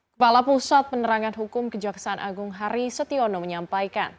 kepala pusat penerangan hukum kejaksaan agung hari setiono menyampaikan